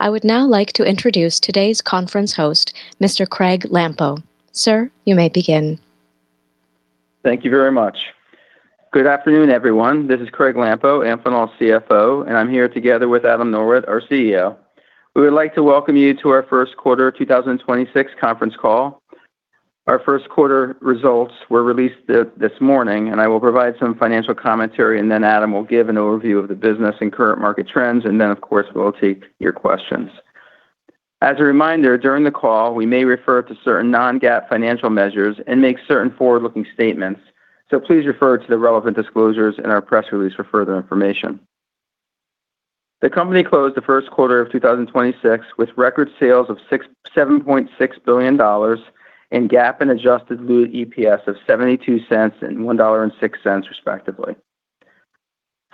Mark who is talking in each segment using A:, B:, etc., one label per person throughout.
A: I would now like to introduce today's conference host, Mr. Craig Lampo. Sir, you may begin.
B: Thank you very much. Good afternoon, everyone. This is Craig Lampo, Amphenol's CFO, and I'm here together with Adam Norwitt, our CEO. We would like to welcome you to our Q1 2026 conference call. Our Q1 results were released this morning. I will provide some financial commentary. Adam will give an overview of the business and current market trends. Of course, we'll take your questions. As a reminder, during the call, we may refer to certain non-GAAP financial measures and make certain forward-looking statements. Please refer to the relevant disclosures in our press release for further information. The company closed the Q1 of 2026 with record sales of $7.6 billion in GAAP and adjusted dilute EPS of $0.72 and $1.06, respectively.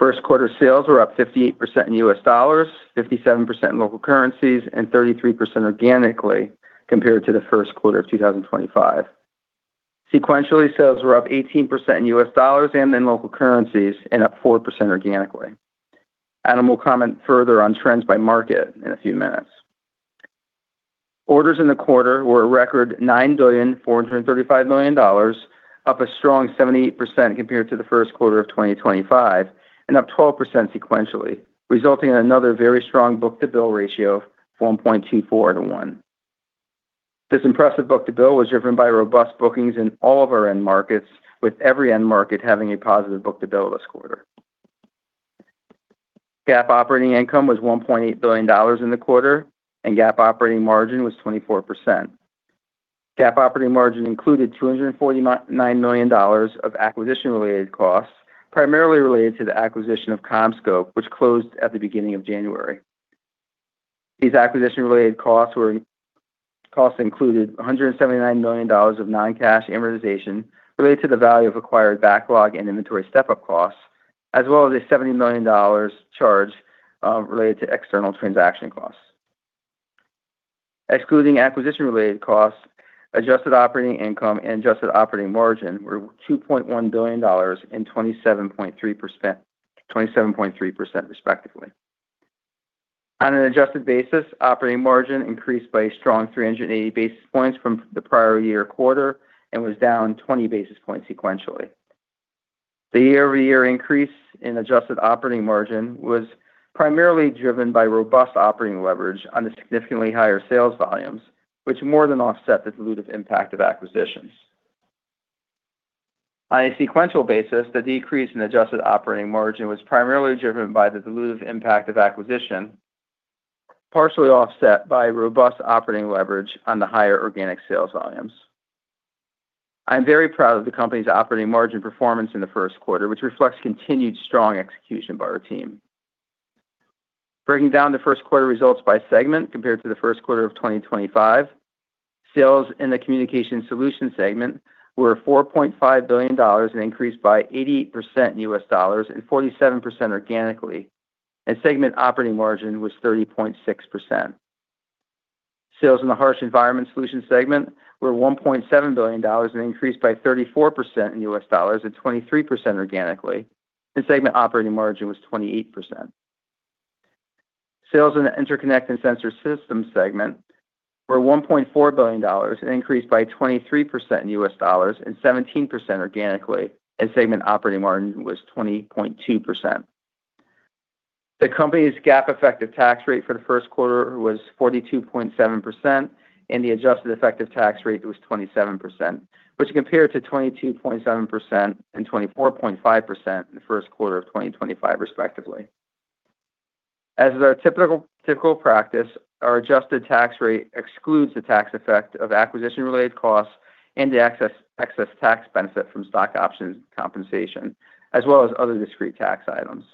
B: Q1 sales were up 58% in US dollars, 57% in local currencies, and 33% organically compared to the Q1 of 2025. Sequentially, sales were up 18% in US dollars and in local currencies and up 4% organically. Adam will comment further on trends by market in a few minutes. Orders in the quarter were a record $9.435 billion, up a strong 78% compared to the Q1 of 2025, and up 12% sequentially, resulting in another very strong book-to-bill ratio of 1.24 to 1. This impressive book-to-bill was driven by robust bookings in all of our end markets, with every end market having a positive book-to-bill this quarter. GAAP operating income was $1.8 billion in the quarter, and GAAP operating margin was 24%. GAAP operating margin included $249 million of acquisition-related costs, primarily related to the acquisition of CommScope, which closed at the beginning of January. These acquisition-related costs included $179 million of non-cash amortization related to the value of acquired backlog and inventory step-up costs, as well as a $70 million charge related to external transaction costs. Excluding acquisition-related costs, adjusted operating income and adjusted operating margin were $2.1 billion and 27.3%, respectively. On an adjusted basis, operating margin increased by a strong 380 basis points from the prior year quarter and was down 20 basis points sequentially. The year-over-year increase in adjusted operating margin was primarily driven by robust operating leverage on the significantly higher sales volumes, which more than offset the dilutive impact of acquisitions. On a sequential basis, the decrease in adjusted operating margin was primarily driven by the dilutive impact of acquisition, partially offset by robust operating leverage on the higher organic sales volumes. I am very proud of the company's operating margin performance in the Q1, which reflects continued strong execution by our team. Breaking down the Q1 results by segment compared to the Q1 of 2025, sales in the Communication Solutions segment were $4.5 billion and increased by 80% in U.S. dollars and 47% organically, and segment operating margin was 30.6%. Sales in the Harsh Environment Solutions segment were $1.7 billion and increased by 34% in U.S. dollars and 23% organically, and segment operating margin was 28%. Sales in the Interconnect and Sensor Systems segment were $1.4 billion and increased by 23% in U.S. dollars and 17% organically, and segment operating margin was 20.2%. The company's GAAP effective tax rate for the Q1 was 42.7%, and the adjusted effective tax rate was 27%, which compared to 22.7% and 24.5% in the Q1 of 2025, respectively. As is our typical practice, our adjusted tax rate excludes the tax effect of acquisition-related costs and the excess tax benefit from stock option compensation, as well as other discrete tax items.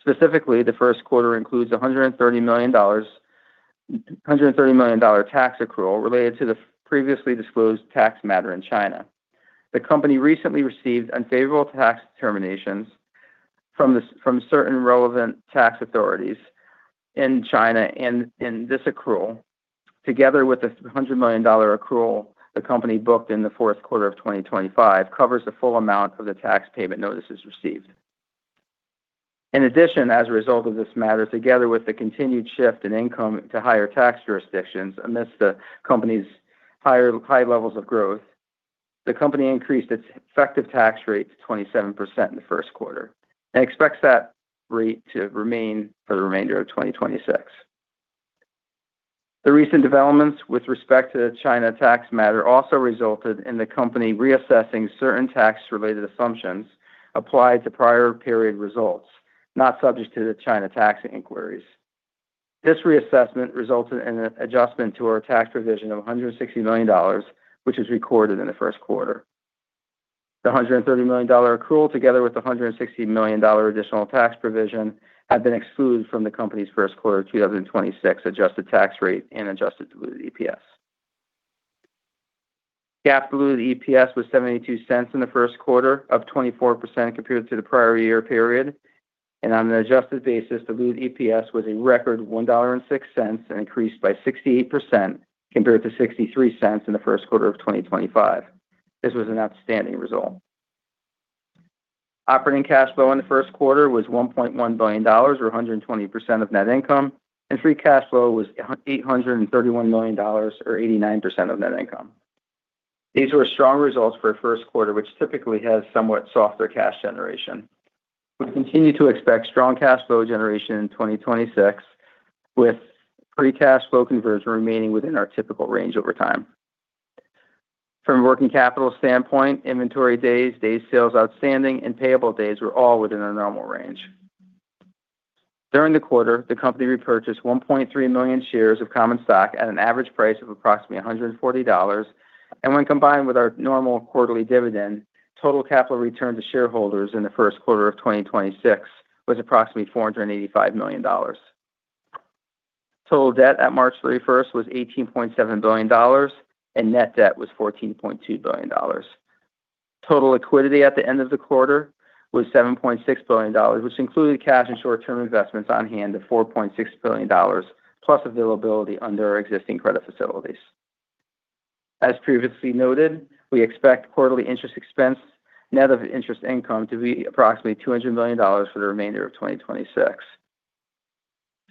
B: Specifically, the Q1 includes a $130 million tax accrual related to the previously disclosed tax matter in China. The company recently received unfavorable tax determinations from certain relevant tax authorities in China in this accrual. Together with the $300 million accrual the company booked in the Q4 of 2025 covers the full amount of the tax payment notices received. As a result of this matter, together with the continued shift in income to higher tax jurisdictions amidst the company's high levels of growth, the company increased its effective tax rate to 27% in the Q1 and expects that rate to remain for the remainder of 2026. The recent developments with respect to the China tax matter also resulted in the company reassessing certain tax-related assumptions applied to prior period results, not subject to the China tax inquiries. This reassessment resulted in an adjustment to our tax provision of $160 million, which is recorded in the Q1. The $130 million accrual, together with the $160 million additional tax provision, have been excluded from the company's Q1 2026 adjusted tax rate and adjusted diluted EPS. GAAP diluted EPS was $0.72 in the Q1 of 2024 compared to the prior year period, and on an adjusted basis, diluted EPS was a record $1.06 and increased by 68% compared to $0.63 in the Q1 of 2025. This was an outstanding result. Operating cash flow in the Q1 was $1.1 billion or 120% of net income, and free cash flow was $831 million or 89% of net income. These were strong results for a Q1, which typically has somewhat softer cash generation. We continue to expect strong cash flow generation in 2026, with free cash flow conversion remaining within our typical range over time. From a working capital standpoint, inventory days sales outstanding, and payable days were all within our normal range. During the quarter, the company repurchased 1.3 million shares of common stock at an average price of approximately $140. When combined with our normal quarterly dividend, total capital return to shareholders in the Q1 of 2026 was approximately $485 million. Total debt at March 31st was $18.7 billion, and net debt was $14.2 billion. Total liquidity at the end of the quarter was $7.6 billion, which included cash and short-term investments on hand of $4.6 billion, plus availability under our existing credit facilities. As previously noted, we expect quarterly interest expense net of interest income to be approximately $200 million for the remainder of 2026.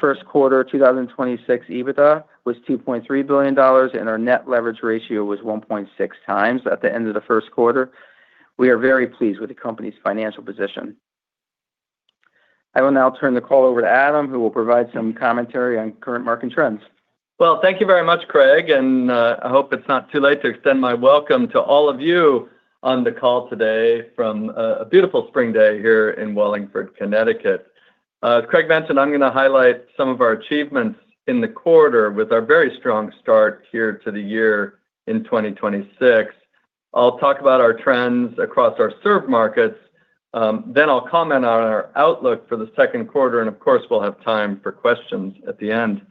B: Q1 of 2026 EBITDA was $2.3 billion, and our net leverage ratio was 1.6x at the end of the Q1. We are very pleased with the company's financial position. I will now turn the call over to Adam, who will provide some commentary on current market trends.
C: Well, thank you very much, Craig, I hope it's not too late to extend my welcome to all of you on the call today from a beautiful spring day here in Wallingford, Connecticut. As Craig mentioned, I'm gonna highlight some of our achievements in the quarter with our very strong start here to the year in 2026. I'll talk about our trends across our served markets, then I'll comment on our outlook for the Q2, and of course, we'll have time for questions at the end.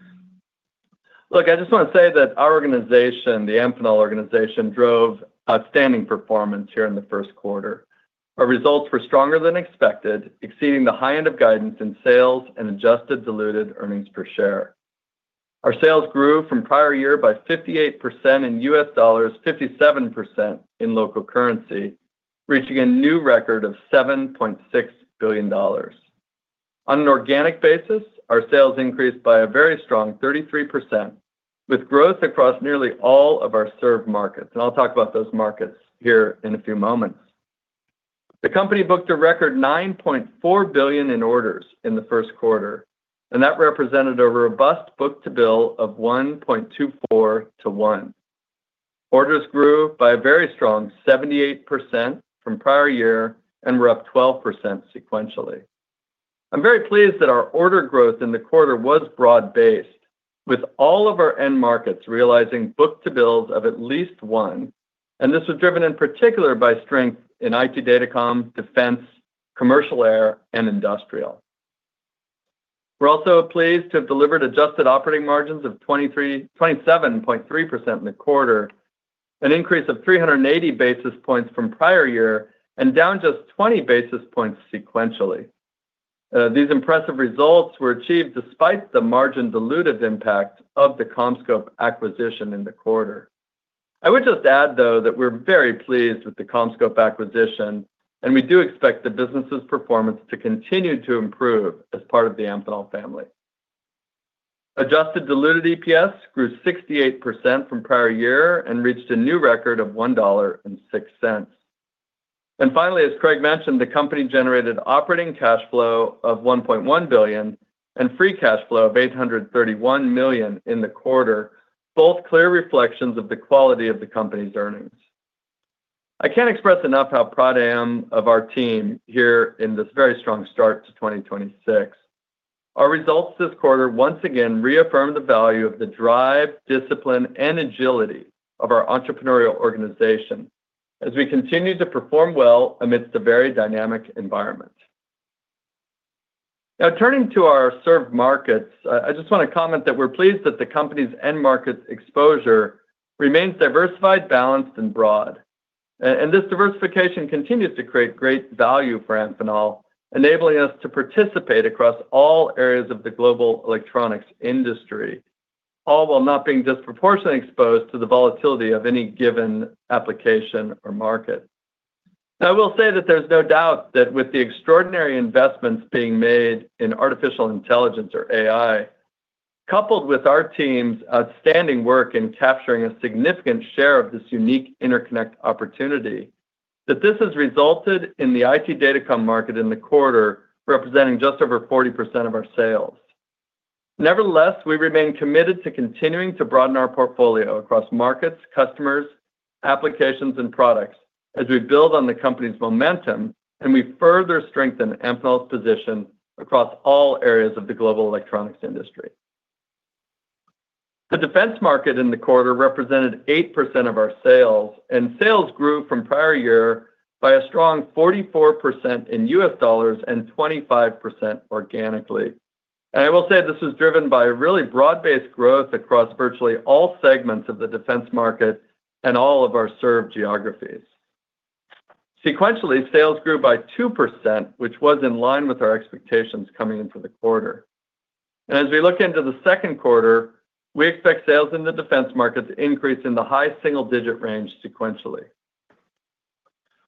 C: Look, I just want to say that our organization, the Amphenol organization, drove outstanding performance here in the Q1. Our results were stronger than expected, exceeding the high end of guidance in sales and adjusted diluted earnings per share. Our sales grew from prior year by 58% in U.S. dollars, 57% in local currency, reaching a new record of $7.6 billion. On an organic basis, our sales increased by a very strong 33%, with growth across nearly all of our served markets, I'll talk about those markets here in a few moments. The company booked a record $9.4 billion in orders in the Q1. That represented a robust book-to-bill of 1.24 to 1. Orders grew by a very strong 78% from prior year and were up 12% sequentially. I'm very pleased that our order growth in the quarter was broad-based, with all of our end markets realizing book-to-bills of at least one. This was driven in particular by strength in IT data comm, defense, commercial air, and industrial. We're also pleased to have delivered adjusted operating margins of 27.3% in the quarter, an increase of 380 basis points from prior year and down just 20 basis points sequentially. These impressive results were achieved despite the margin diluted impact of the CommScope acquisition in the quarter. I would just add, though, that we're very pleased with the CommScope acquisition, and we do expect the business' performance to continue to improve as part of the Amphenol family. Adjusted diluted EPS grew 68% from prior year and reached a new record of $1.06. Finally, as Craig mentioned, the company generated operating cash flow of $1.1 billion and free cash flow of $831 million in the quarter, both clear reflections of the quality of the company's earnings. I can't express enough how proud I am of our team here in this very strong start to 2026. Our results this quarter once again reaffirmed the value of the drive, discipline, and agility of our entrepreneurial organization as we continue to perform well amidst a very dynamic environment. Now turning to our served markets, I just want to comment that we're pleased that the company's end markets exposure remains diversified, balanced, and broad. This diversification continues to create great value for Amphenol, enabling us to participate across all areas of the global electronics industry, all while not being disproportionately exposed to the volatility of any given application or market. I will say that there's no doubt that with the extraordinary investments being made in artificial intelligence or AI, coupled with our team's outstanding work in capturing a significant share of this unique interconnect opportunity, that this has resulted in the IT data comm market in the quarter representing just over 40% of our sales. Nevertheless, we remain committed to continuing to broaden our portfolio across markets, customers, applications, and products as we build on the company's momentum and we further strengthen Amphenol's position across all areas of the global electronics industry. The defense market in the quarter represented 8% of our sales. Sales grew from prior year by a strong 44% in U.S. dollars and 25% organically. I will say this was driven by really broad-based growth across virtually all segments of the defense market and all of our served geographies. Sequentially, sales grew by 2%, which was in line with our expectations coming into the quarter. As we look into the Q2, we expect sales in the defense market to increase in the high single-digit range sequentially.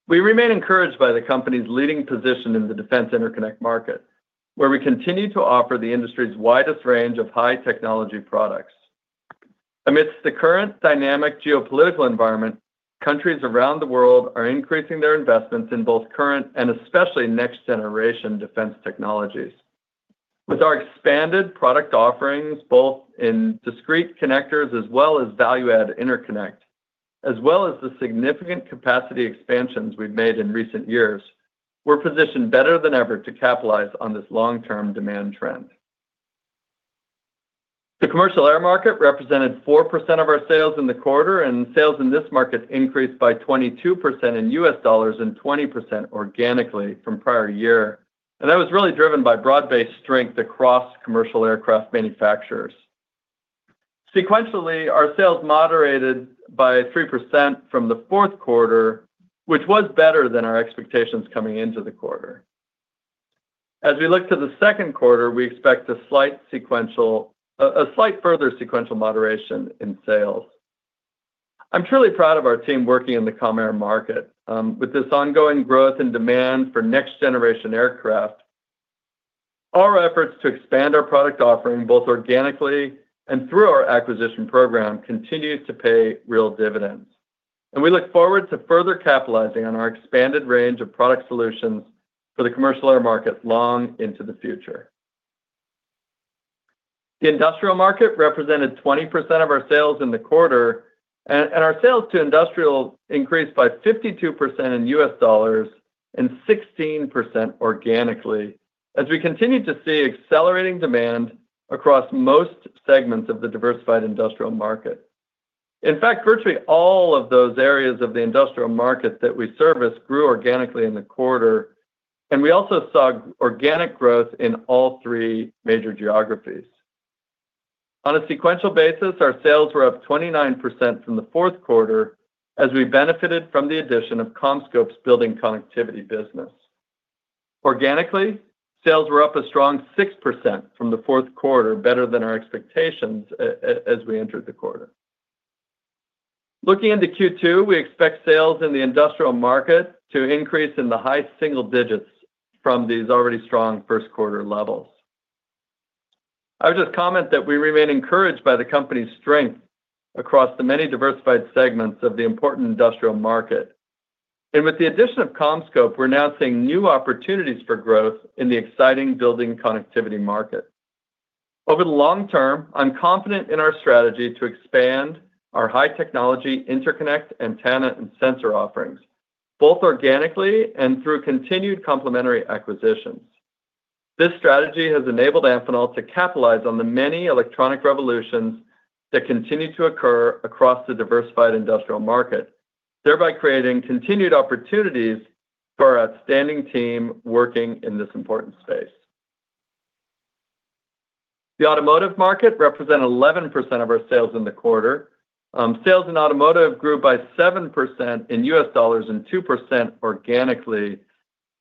C: We remain encouraged by the company's leading position in the defense interconnect market, where we continue to offer the industry's widest range of high-technology products. Amidst the current dynamic geopolitical environment, countries around the world are increasing their investments in both current and especially next-generation defense technologies. With our expanded product offerings, both in discrete connectors as well as value-add interconnect, as well as the significant capacity expansions we've made in recent years, we're positioned better than ever to capitalize on this long-term demand trend. The commercial air market represented 4% of our sales in the quarter. Sales in this market increased by 22% in U.S. dollars and 20% organically from prior year. That was really driven by broad-based strength across commercial aircraft manufacturers. Sequentially, our sales moderated by 3% from the Q4, which was better than our expectations coming into the quarter. As we look to the Q2, we expect a slight further sequential moderation in sales. I'm truly proud of our team working in the com air market. With this ongoing growth and demand for next-generation aircraft, our efforts to expand our product offering, both organically and through our acquisition program, continues to pay real dividends. We look forward to further capitalizing on our expanded range of product solutions for the commercial air market long into the future. The industrial market represented 20% of our sales in the quarter. Our sales to industrial increased by 52% in U.S. dollars and 16% organically as we continue to see accelerating demand across most segments of the diversified industrial market. In fact, virtually all of those areas of the industrial market that we service grew organically in the quarter, and we also saw organic growth in all three major geographies. On a sequential basis, our sales were up 29% from the Q4 as we benefited from the addition of CommScope's building connectivity business. Organically, sales were up a strong 6% from the Q4, better than our expectations as we entered the quarter. Looking into Q2, we expect sales in the industrial market to increase in the high single digits from these already strong Q1 levels. I would just comment that we remain encouraged by the company's strength across the many diversified segments of the important industrial market. With the addition of CommScope, we're now seeing new opportunities for growth in the exciting building connectivity market. Over the long term, I'm confident in our strategy to expand our high-technology interconnect, antenna, and sensor offerings, both organically and through continued complementary acquisitions. This strategy has enabled Amphenol to capitalize on the many electronic revolutions that continue to occur across the diversified industrial market, thereby creating continued opportunities for our outstanding team working in this important space. The automotive market represent 11% of our sales in the quarter. Sales in automotive grew by 7% in U.S. dollars and 2% organically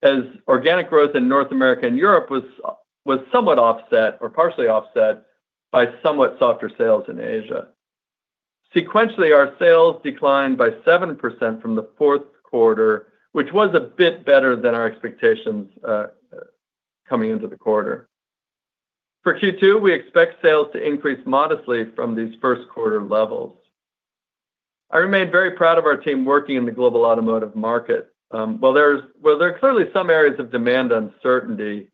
C: as organic growth in North America and Europe was somewhat offset or partially offset by somewhat softer sales in Asia. Sequentially, our sales declined by 7% from the Q4, which was a bit better than our expectations coming into the quarter. For Q2, we expect sales to increase modestly from these Q1 levels. I remain very proud of our team working in the global automotive market. While there are clearly some areas of demand uncertainty,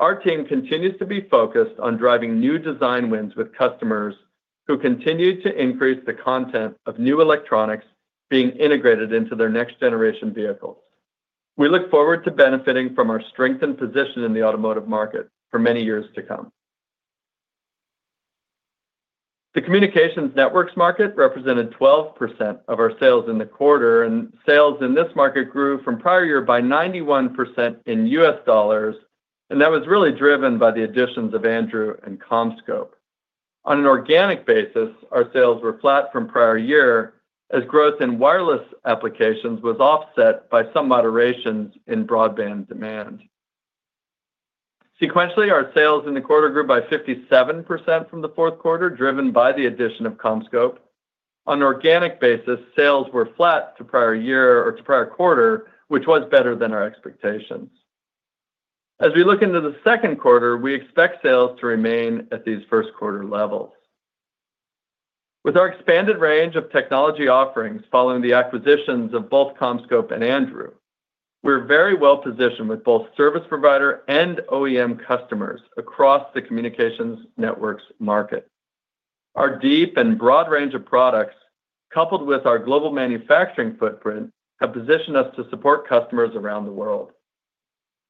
C: our team continues to be focused on driving new design wins with customers who continue to increase the content of new electronics being integrated into their next-generation vehicles. We look forward to benefiting from our strengthened position in the automotive market for many years to come. The communications networks market represented 12% of our sales in the quarter, and sales in this market grew from prior year by 91% in US dollars, and that was really driven by the additions of Andrew and CommScope. On an organic basis, our sales were flat from prior year as growth in wireless applications was offset by some moderations in broadband demand. Sequentially, our sales in the quarter grew by 57% from the Q4, driven by the addition of CommScope. On an organic basis, sales were flat to prior year or to prior quarter, which was better than our expectations. As we look into the Q2, we expect sales to remain at these Q1 levels. With our expanded range of technology offerings following the acquisitions of both CommScope and Andrew, we're very well positioned with both service provider and OEM customers across the communications networks market. Our deep and broad range of products, coupled with our global manufacturing footprint, have positioned us to support customers around the world.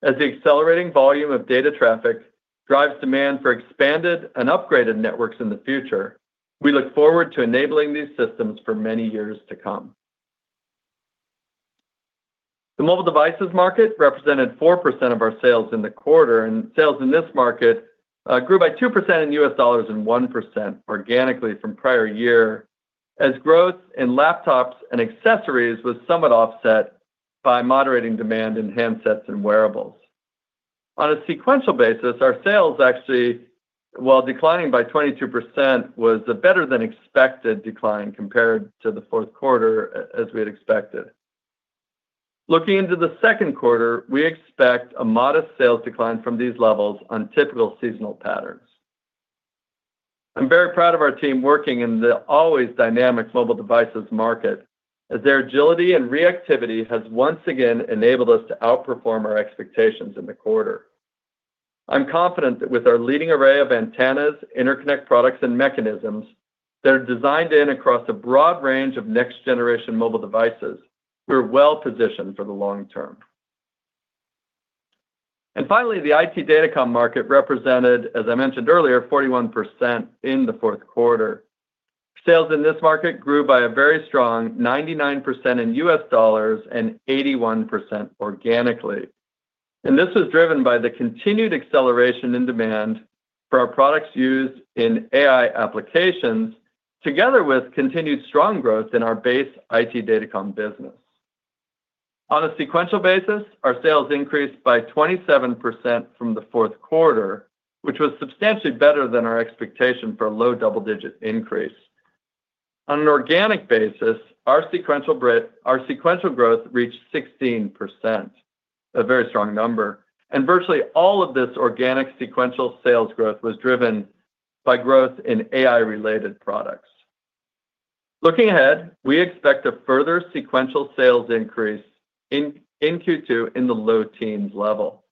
C: As the accelerating volume of data traffic drives demand for expanded and upgraded networks in the future, we look forward to enabling these systems for many years to come. The mobile devices market represented 4% of our sales in the quarter, and sales in this market grew by 2% in U.S. dollars and 1% organically from prior year as growth in laptops and accessories was somewhat offset by moderating demand in handsets and wearables. On a sequential basis, our sales actually, while declining by 22%, was a better than expected decline compared to the Q4 as we had expected. Looking into the Q2, we expect a modest sales decline from these levels on typical seasonal patterns. I'm very proud of our team working in the always dynamic mobile devices market, as their agility and reactivity has once again enabled us to outperform our expectations in the quarter. I'm confident that with our leading array of antennas, interconnect products and mechanisms that are designed in across a broad range of next-generation mobile devices, we're well positioned for the long term. Finally, the IT data comm market represented, as I mentioned earlier, 41% in the Q4. Sales in this market grew by a very strong 99% in U.S. dollars and 81% organically. This was driven by the continued acceleration in demand for our products used in AI applications, together with continued strong growth in our base IT data comm business. On a sequential basis, our sales increased by 27% from the Q4, which was substantially better than our expectation for a low double-digit increase. On an organic basis, our sequential growth reached 16%, a very strong number. Virtually all of this organic sequential sales growth was driven by growth in AI-related products. Looking ahead, we expect a further sequential sales increase in Q2 in the low teens level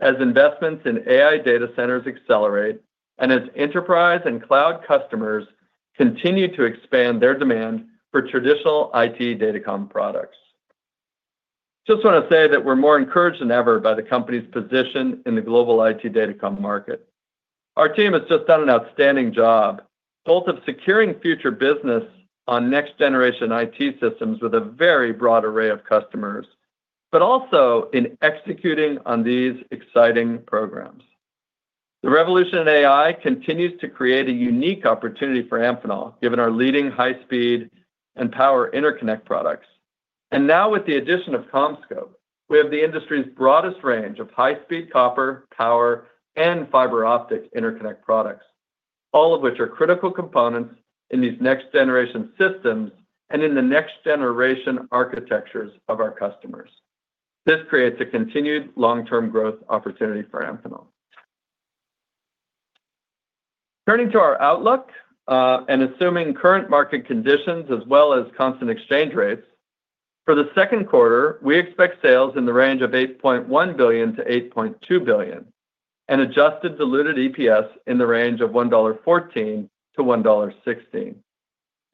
C: as investments in AI data centers accelerate and as enterprise and cloud customers continue to expand their demand for traditional IT data comm products. Just want to say that we're more encouraged than ever by the company's position in the global IT data comm market. Our team has just done an outstanding job, both of securing future business on next-generation IT systems with a very broad array of customers, but also in executing on these exciting programs. The revolution in AI continues to create a unique opportunity for Amphenol, given our leading high-speed and power interconnect products. Now with the addition of CommScope, we have the industry's broadest range of high-speed copper, power, and fiber optic interconnect products, all of which are critical components in these next-generation systems and in the next-generation architectures of our customers. This creates a continued long-term growth opportunity for Amphenol. Turning to our outlook, and assuming current market conditions as well as constant exchange rates, for the Q2, we expect sales in the range of $8.1 billion-$8.2 billion and adjusted diluted EPS in the range of $1.14-$1.16.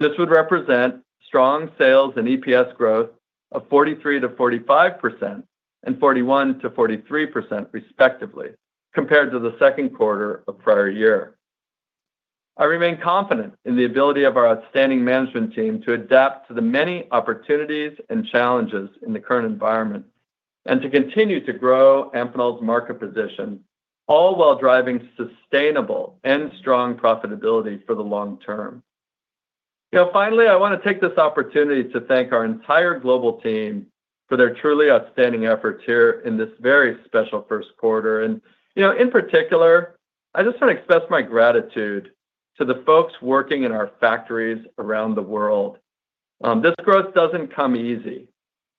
C: This would represent strong sales and EPS growth of 43%-45% and 41%-43% respectively, compared to the Q2 of prior year. I remain confident in the ability of our outstanding management team to adapt to the many opportunities and challenges in the current environment and to continue to grow Amphenol's market position, all while driving sustainable and strong profitability for the long term. You know, finally, I want to take this opportunity to thank our entire global team for their truly outstanding efforts here in this very special Q1. You know, in particular, I just want to express my gratitude to the folks working in our factories around the world. This growth doesn't come easy,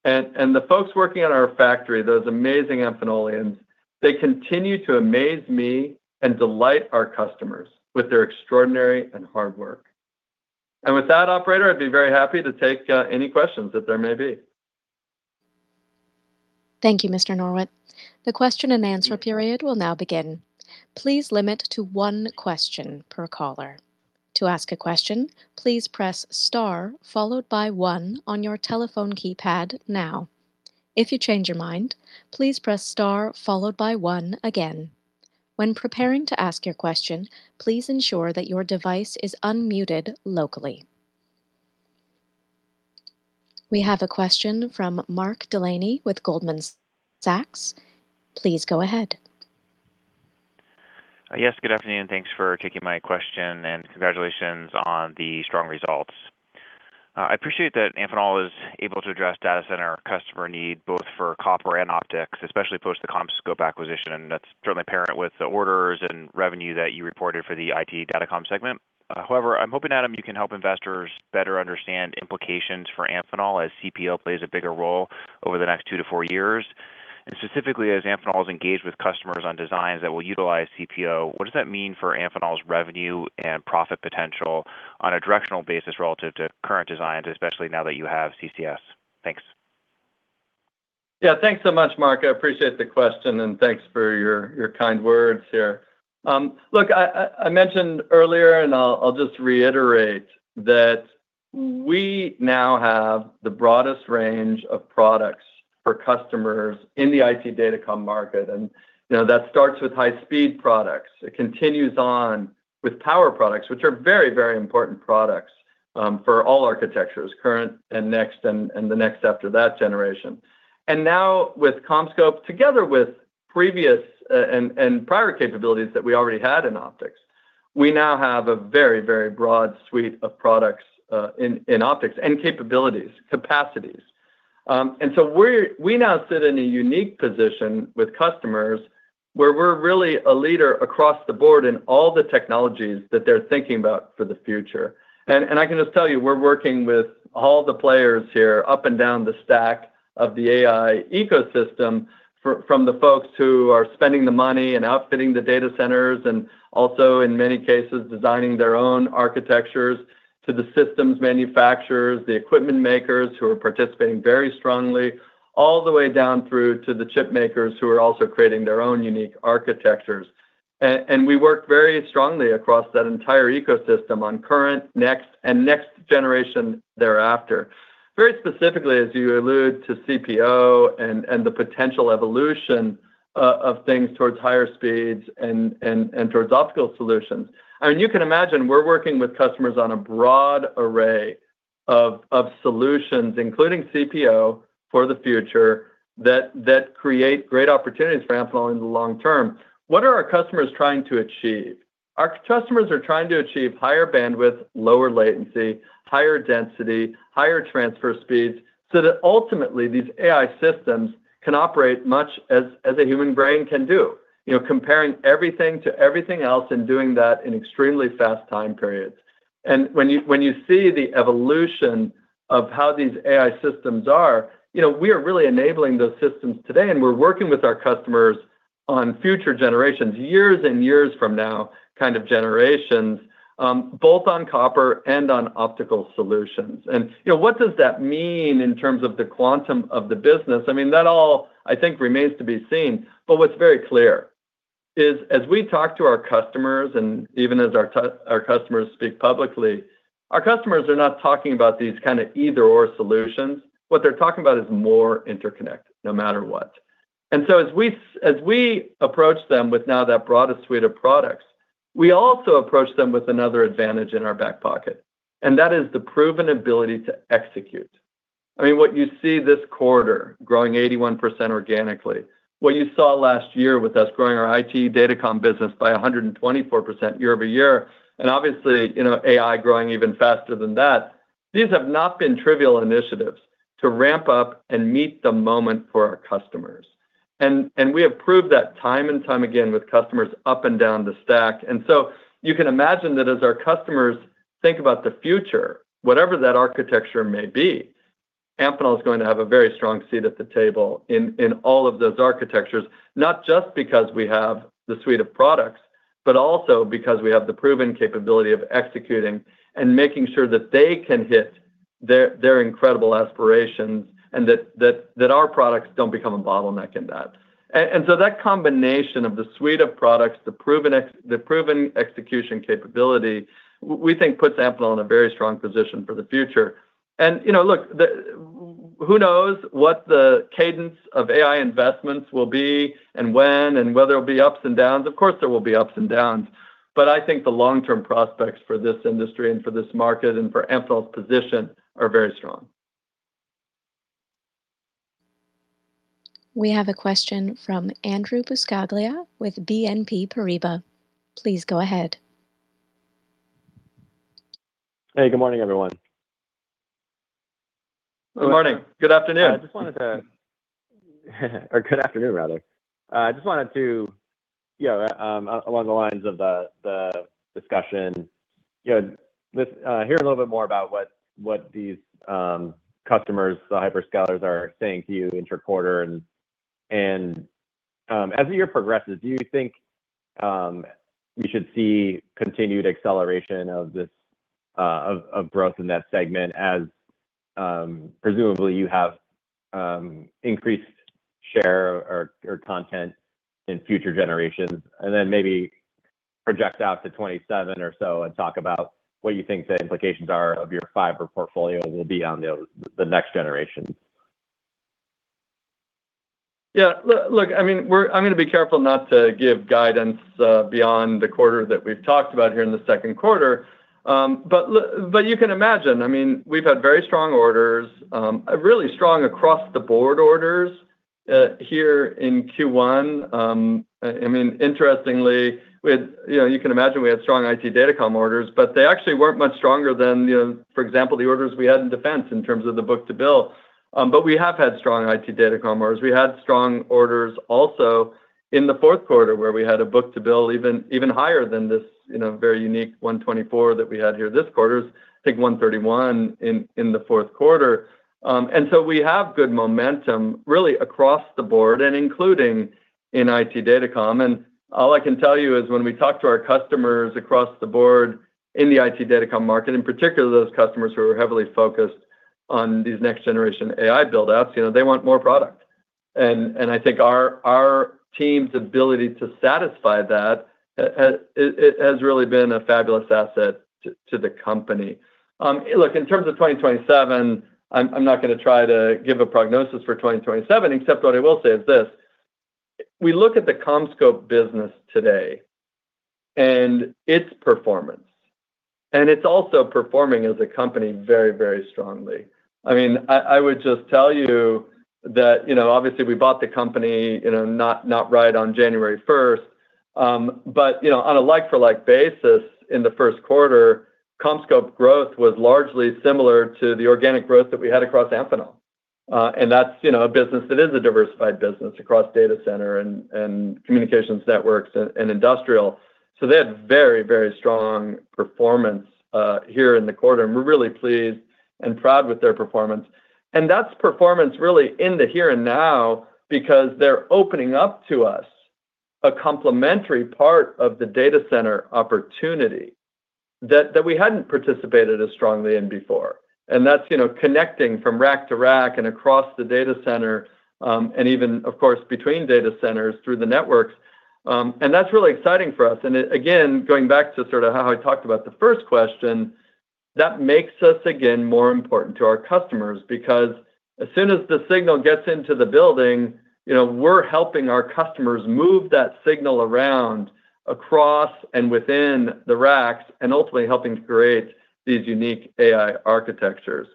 C: and the folks working at our factory, those amazing Amphenolians, they continue to amaze me and delight our customers with their extraordinary and hard work. With that, operator, I'd be very happy to take any questions that there may be.
A: Thank you, Mr. Norwitt. The question and answer period will now begin. Please limit to one question per caller. To ask a question, please press star followed by one on your telephone keypad now. If you change your mind, please press star followed by one again. When preparing to ask your question, please ensure that your device is unmuted locally. We have a question from Mark Delaney with Goldman Sachs. Please go ahead.
D: Yes, good afternoon, and thanks for taking my question, and congratulations on the strong results. I appreciate that Amphenol is able to address data center customer need both for copper and optics, especially post the CommScope acquisition. That's certainly apparent with the orders and revenue that you reported for the IT data comm segment. However, I'm hoping, Adam, you can help investors better understand implications for Amphenol as CPO plays a bigger role over the next 2 years-4 years. Specifically, as Amphenol has engaged with customers on designs that will utilize CPO, what does that mean for Amphenol's revenue and profit potential on a directional basis relative to current designs, especially now that you have CCS? Thanks.
C: Thanks so much, Mark. I appreciate the question, and thanks for your kind words here. Look, I mentioned earlier, and I'll just reiterate that we now have the broadest range of products for customers in the IT data comm market. You know, that starts with high-speed products. It continues on with power products, which are very important products for all architectures, current and next and the next after that generation. Now with CommScope, together with previous and prior capabilities that we already had in optics. We now have a very broad suite of products in optics and capabilities, capacities. We now sit in a unique position with customers where we're really a leader across the board in all the technologies that they're thinking about for the future. I can just tell you, we're working with all the players here up and down the stack of the AI ecosystem from the folks who are spending the money and outfitting the data centers, and also, in many cases, designing their own architectures to the systems manufacturers, the equipment makers who are participating very strongly, all the way down through to the chip makers who are also creating their own unique architectures. We work very strongly across that entire ecosystem on current, next, and next generation thereafter. Very specifically, as you allude to CPO and the potential evolution of things towards higher speeds and towards optical solutions. I mean, you can imagine we're working with customers on a broad array of solutions, including CPO for the future, that create great opportunities for Amphenol in the long term. What are our customers trying to achieve? Our customers are trying to achieve higher bandwidth, lower latency, higher density, higher transfer speeds, so that ultimately these AI systems can operate much as a human brain can do. You know, comparing everything to everything else and doing that in extremely fast time periods. When you see the evolution of how these AI systems are, you know, we are really enabling those systems today, and we're working with our customers on future generations, years and years from now kind of generations, both on copper and on optical solutions. You know, what does that mean in terms of the quantum of the business? I mean, that all, I think, remains to be seen. What's very clear is as we talk to our customers, and even as our customers speak publicly, our customers are not talking about these kind of either/or solutions. As we approach them with now that broader suite of products, we also approach them with another advantage in our back pocket, and that is the proven ability to execute. I mean, what you see this quarter, growing 81% organically. What you saw last year with us growing our IT data comm business by 124% year-over-year, and obviously, you know, AI growing even faster than that. These have not been trivial initiatives to ramp up and meet the moment for our customers. We have proved that time and time again with customers up and down the stack. You can imagine that as our customers think about the future, whatever that architecture may be, Amphenol is going to have a very strong seat at the table in all of those architectures, not just because we have the suite of products, but also because we have the proven capability of executing and making sure that they can hit their incredible aspirations and that our products don't become a bottleneck in that. That combination of the suite of products, the proven execution capability, we think puts Amphenol in a very strong position for the future. You know, look, who knows what the cadence of AI investments will be and when and whether there'll be ups and downs. Of course, there will be ups and downs. I think the long-term prospects for this industry and for this market and for Amphenol's position are very strong.
A: We have a question from Andrew Buscaglia with BNP Paribas. Please go ahead.
E: Hey, good morning, everyone.
C: Good morning. Good afternoon.
E: Good afternoon, rather. I just wanted to, you know, along the lines of the discussion, you know, with hearing a little bit more about what these customers, the hyperscalers are saying to you interquarter. As the year progresses, do you think we should see continued acceleration of this of growth in that segment as presumably you have increased share or content in future generations? Maybe project out to 2027 or so and talk about what you think the implications are of your fiber portfolio will be on the next generation.
C: Yeah, look, I mean, I'm gonna be careful not to give guidance beyond the quarter that we've talked about here in the Q2. You can imagine, I mean, we've had very strong orders, really strong across the board orders here in Q1. I mean, interestingly, we had You know, you can imagine we had strong IT data comm orders, but they actually weren't much stronger than, you know, for example, the orders we had in defense in terms of the book-to-bill. We have had strong IT data comm orders. We had strong orders also in the Q4, where we had a book-to-bill even higher than this, you know, very unique 124 that we had here this quarter. I think 131 in the Q4. We have good momentum really across the board and including in IT data comm. All I can tell you is when we talk to our customers across the board in the IT data comm market, in particular those customers who are heavily focused on these next generation AI build-outs, you know, they want more product. I think our team's ability to satisfy that has really been a fabulous asset to the company. Look, in terms of 2027, I'm not gonna try to give a prognosis for 2027, except what I will say is this: We look at the CommScope business today and its performance. It's also performing as a company very, very strongly. I would just tell you that, you know, obviously we bought the company, you know, not right on January 1st. You know, on a like-for-like basis in the Q1, CommScope growth was largely similar to the organic growth that we had across Amphenol. That's, you know, a business that is a diversified business across data center and communications networks and industrial. They had very strong performance here in the quarter, and we're really pleased and proud with their performance. That's performance really in the here and now because they're opening up to us a complementary part of the data center opportunity that we hadn't participated as strongly in before. That's, you know, connecting from rack to rack and across the data center, even, of course, between data centers through the networks. That's really exciting for us. Again, going back to sort of how I talked about the first question, that makes us again more important to our customers. Because as soon as the signal gets into the building, you know, we're helping our customers move that signal around across and within the racks, and ultimately helping create these unique AI architectures.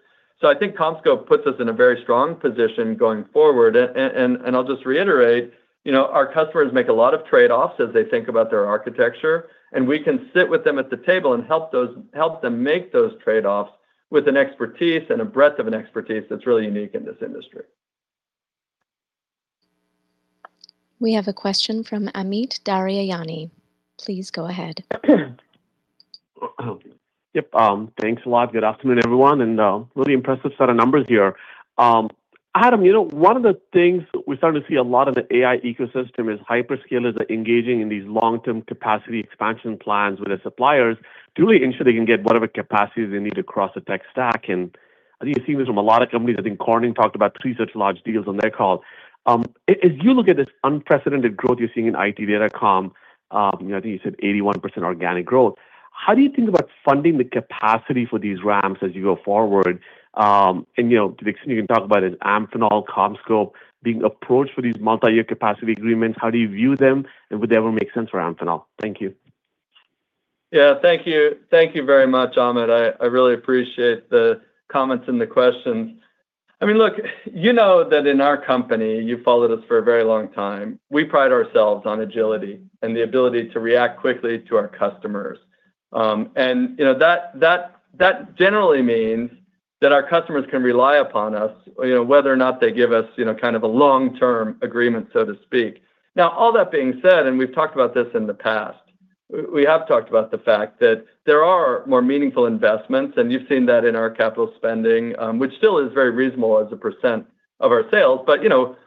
C: I think CommScope puts us in a very strong position going forward. And I'll just reiterate, you know, our customers make a lot of trade-offs as they think about their architecture, and we can sit with them at the table and help them make those trade-offs with an expertise and a breadth of an expertise that's really unique in this industry.
A: We have a question from Amit Daryanani. Please go ahead.
F: Yep. Thanks a lot. Good afternoon, everyone. Really impressive set of numbers here. Adam, you know, one of the things we're starting to see a lot in the AI ecosystem is hyperscalers are engaging in these long-term capacity expansion plans with their suppliers to really ensure they can get whatever capacities they need across the tech stack. I think you're seeing this from a lot of companies. I think Corning talked about three such large deals on their call. As you look at this unprecedented growth you're seeing in IT data comm, you know, I think you said 81% organic growth. How do you think about funding the capacity for these ramps as you go forward? You know, to the extent you can talk about it, Amphenol, CommScope being approached for these multi-year capacity agreements, how do you view them, and would they ever make sense for Amphenol? Thank you.
C: Yeah, thank you. Thank you very much, Amit Daryanani. I really appreciate the comments and the questions. I mean, look, you know that in our company, you've followed us for a very long time, we pride ourselves on agility and the ability to react quickly to our customers. You know, that generally means that our customers can rely upon us, you know, whether or not they give us, you know, kind of a long-term agreement, so to speak. Now, all that being said, and we've talked about this in the past, we have talked about the fact that there are more meaningful investments, and you've seen that in our capital spending, which still is very reasonable as a percent of our sales. You know,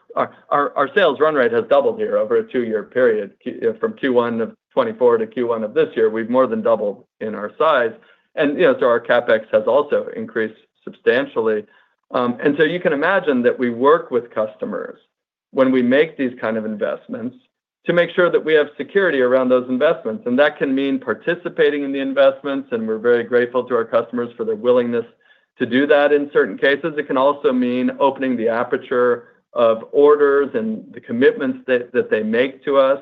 C: our sales run rate has doubled here over a two-year period. From Q1 of 2024 to Q1 of this year, we've more than doubled in our size, and, you know, so our CapEx has also increased substantially. You can imagine that we work with customers when we make these kind of investments to make sure that we have security around those investments, and that can mean participating in the investments, and we're very grateful to our customers for their willingness to do that in certain cases. It can also mean opening the aperture of orders and the commitments that they make to us.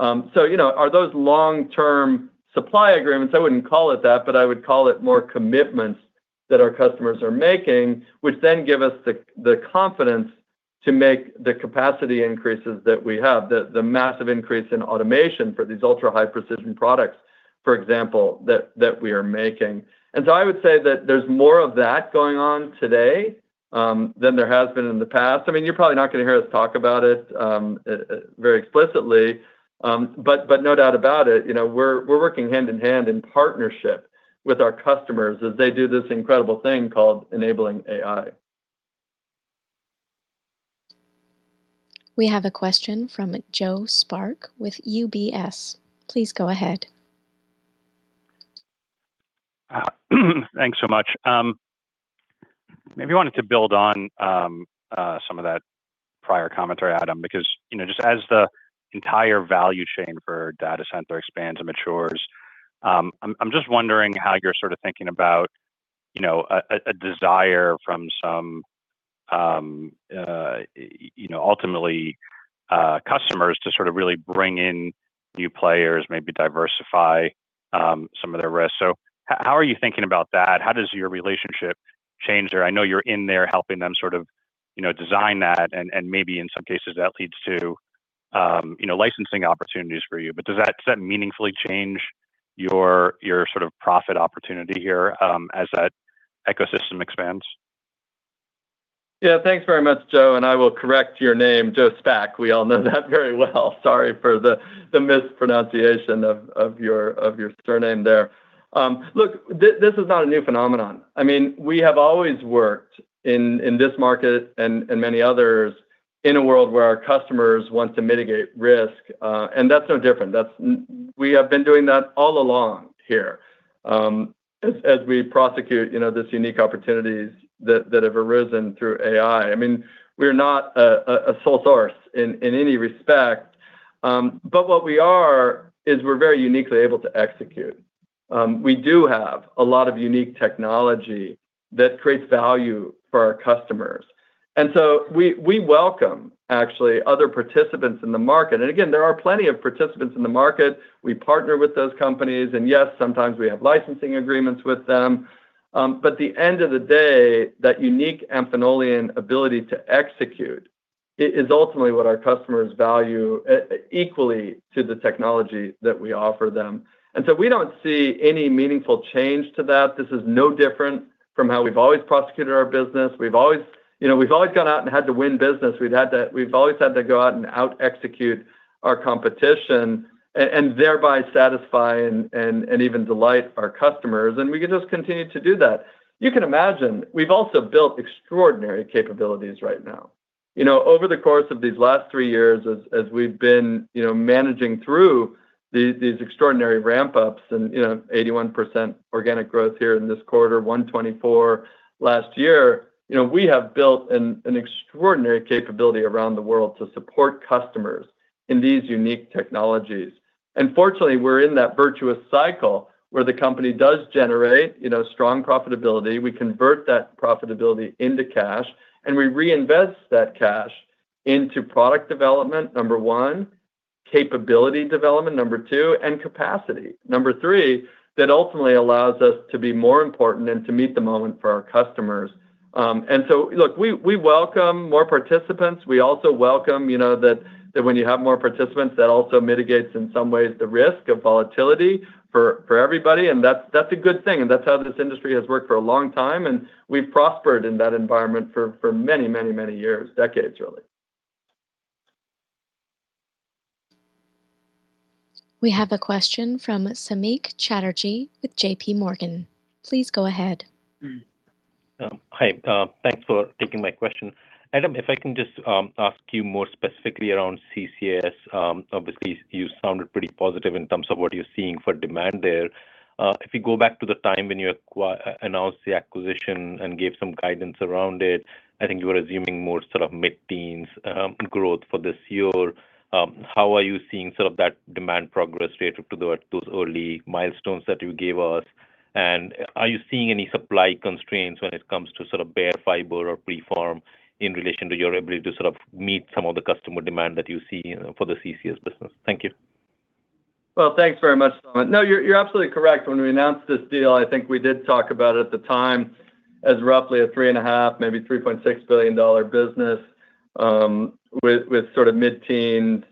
C: You know, are those long-term supply agreements? I wouldn't call it that, but I would call it more commitments that our customers are making, which then give us the confidence to make the capacity increases that we have, the massive increase in automation for these ultra-high precision products, for example, that we are making. I would say that there's more of that going on today than there has been in the past. I mean, you're probably not going to hear us talk about it very explicitly. No doubt about it, you know, we're working hand in hand in partnership with our customers as they do this incredible thing called enabling AI.
A: We have a question from Joe Spak with UBS. Please go ahead.
G: Thanks so much. Maybe wanted to build on some of that prior commentary, Adam, because, you know, just as the entire value chain for data center expands and matures, I'm just wondering how you're sort of thinking about, you know, a desire from some, you know, ultimately, customers to sort of really bring in new players, maybe diversify some of their risks. How are you thinking about that? How does your relationship change there? I know you're in there helping them sort of, you know, design that and maybe in some cases that leads to, you know, licensing opportunities for you. Does that meaningfully change your sort of profit opportunity here as that ecosystem expands?
C: Yeah. Thanks very much, Joe, and I will correct your name, Joe Spak. We all know that very well. Sorry for the mispronunciation of your surname there. Look, this is not a new phenomenon. I mean, we have always worked in this market and many others in a world where our customers want to mitigate risk. That's no different. We have been doing that all along here, as we prosecute, you know, this unique opportunities that have arisen through AI. I mean, we're not a sole source in any respect. What we are is we're very uniquely able to execute. We do have a lot of unique technology that creates value for our customers. We welcome actually other participants in the market. Again, there are plenty of participants in the market. We partner with those companies and yes, sometimes we have licensing agreements with them. At the end of the day, that unique Amphenolian ability to execute is ultimately what our customers value equally to the technology that we offer them. We don't see any meaningful change to that. This is no different from how we've always prosecuted our business. We've always, you know, gone out and had to win business. We've always had to go out and out-execute our competition and thereby satisfy and even delight our customers, and we can just continue to do that. You can imagine, we've also built extraordinary capabilities right now. You know, over the course of these last three years as we've been, you know, managing through these extraordinary ramp-ups and, you know, 81% organic growth here in this quarter, 124% last year. You know, we have built an extraordinary capability around the world to support customers in these unique technologies. Fortunately, we're in that virtuous cycle where the company does generate, you know, strong profitability. We convert that profitability into cash, we reinvest that cash into product development, number 1, capability development, number 2, and capacity, number 3, that ultimately allows us to be more important and to meet the moment for our customers. Look, we welcome more participants. We also welcome, you know, that when you have more participants, that also mitigates in some ways the risk of volatility for everybody, and that's a good thing. That's how this industry has worked for a long time, and we've prospered in that environment for many years. Decades, really.
A: We have a question from Samik Chatterjee with JPMorgan. Please go ahead.
H: Hi. Thanks for taking my question. Adam, if I can just ask you more specifically around CCS. Obviously you sounded pretty positive in terms of what you're seeing for demand there. If you go back to the time when you announced the acquisition and gave some guidance around it, I think you were assuming more sort of mid-teens growth for this year. How are you seeing sort of that demand progress rate to those early milestones that you gave us? Are you seeing any supply constraints when it comes to sort of bare fiber or preform in relation to your ability to sort of meet some of the customer demand that you see, you know, for the CCS business? Thank you.
C: Well, thanks very much, Samik. No, you're absolutely correct. When we announced this deal, I think we did talk about it at the time as roughly a $3.5 billion, maybe $3.6 billion business, with sort of mid-teens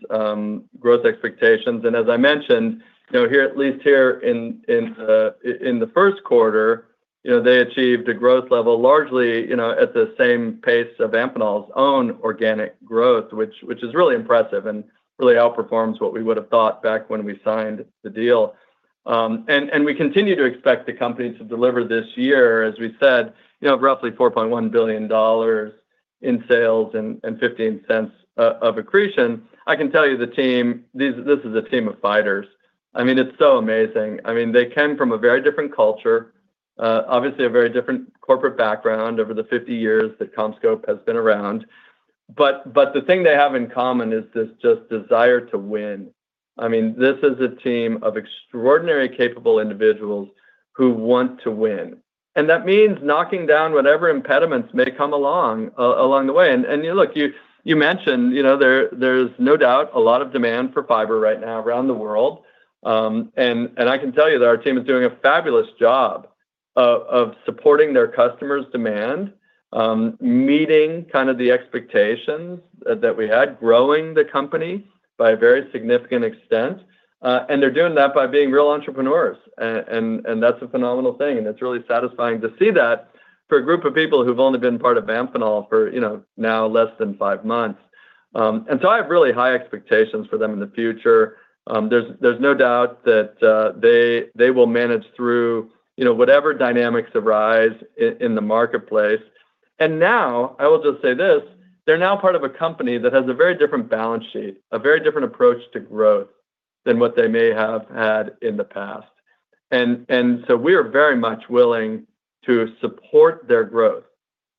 C: growth expectations. As I mentioned, you know, here, at least here in the Q1, you know, they achieved a growth level largely, you know, at the same pace of Amphenol's own organic growth, which is really impressive and really outperforms what we would have thought back when we signed the deal. And we continue to expect the company to deliver this year, as we said, you know, roughly $4.1 billion in sales and $0.15 of accretion. I can tell you the team, this is a team of fighters. It's so amazing. They came from a very different culture, obviously a very different corporate background over the 50 years that CommScope has been around. The thing they have in common is this just desire to win. This is a team of extraordinary capable individuals who want to win. That means knocking down whatever impediments may come along the way. Look, you mentioned, you know, there's no doubt a lot of demand for fiber right now around the world. I can tell you that our team is doing a fabulous job of supporting their customers' demand, meeting kind of the expectations that we had, growing the company by a very significant extent. They're doing that by being real entrepreneurs. That's a phenomenal thing, and it's really satisfying to see that for a group of people who've only been part of Amphenol for, you know, now less than five months. I have really high expectations for them in the future. There's no doubt that they will manage through, you know, whatever dynamics arise in the marketplace. Now, I will just say this, they're now part of a company that has a very different balance sheet, a very different approach to growth than what they may have had in the past. We are very much willing to support their growth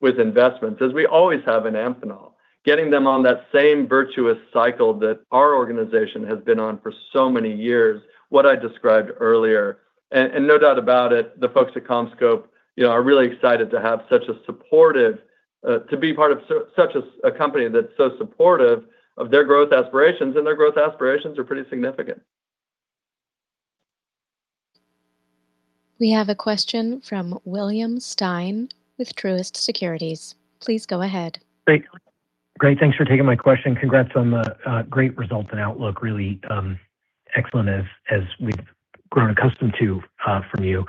C: with investments, as we always have in Amphenol, getting them on that same virtuous cycle that our organization has been on for so many years, what I described earlier. No doubt about it, the folks at CommScope, you know, are really excited to have such a supportive, to be part of such a company that's so supportive of their growth aspirations, and their growth aspirations are pretty significant.
A: We have a question from William Stein with Truist Securities. Please go ahead.
I: Great. Great, thanks for taking my question. Congrats on the great results and outlook. Really, excellent as we've grown accustomed to from you.